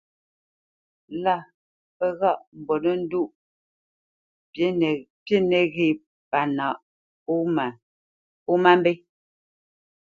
Lâ pə́ ghaʼ mbolendoʼ pí nəghé pâ nǎʼ pó má mbé.